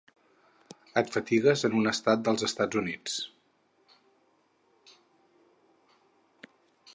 Et fatigues en un estat dels Estats Units.